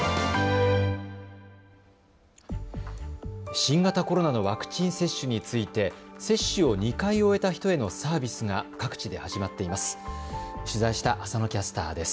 新型コロナのワクチン接種について接種を２回終えた人へのサービスが各地で始まっています。